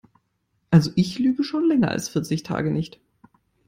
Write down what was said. Also ich lüge schon länger als vierzig Tage nicht.